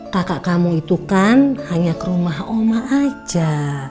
kakak kamu itu kan hanya ke rumah oma aja